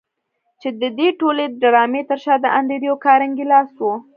چې د دې ټولې ډرامې تر شا د انډريو کارنګي لاس و.